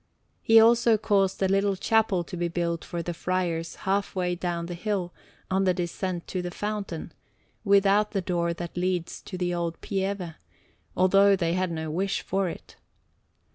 He also caused a little chapel to be built for the friars half way down the hill on the descent to the fountain, without the door that leads to the old Pieve, although they had no wish for it.